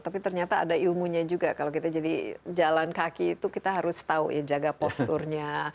tapi ternyata ada ilmunya juga kalau kita jadi jalan kaki itu kita harus tahu ya jaga posturnya